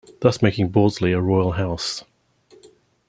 Thus making Bordesley a royal house.